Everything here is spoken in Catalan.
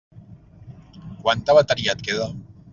Quanta bateria et queda?